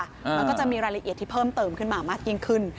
มันก็จะมีรายละเอียดที่เพิ่มเติมขึ้นมามากยิ่งขึ้น